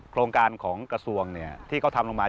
โครงการของกระทรวงที่เขาทำลงมา